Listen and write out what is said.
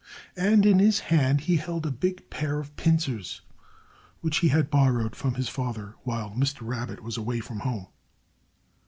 And in his hand he held a big pair of pincers, which he had borrowed from his father while Mr. Rabbit was away from home.